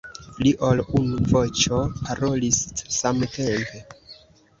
Pli ol unu voĉo parolis samtempe.